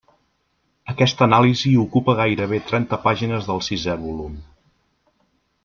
Aquesta anàlisi ocupa gairebé trenta pàgines del sisè volum.